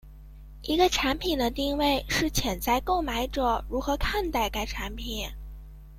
一个产品的定位是潜在购买者如何看待该产品。